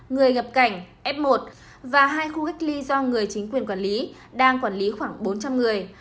người nhập cảnh f một và hai khu cách ly do người chính quyền quản lý đang quản lý khoảng bốn trăm linh người